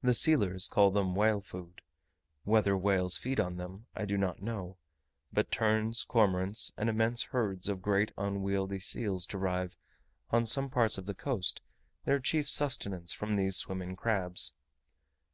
The sealers call them whale food. Whether whales feed on them I do not know; but terns, cormorants, and immense herds of great unwieldy seals derive, on some parts of the coast, their chief sustenance from these swimming crabs.